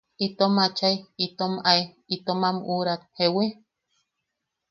Itom achai itom ae itom am uʼurak ¿jewi?.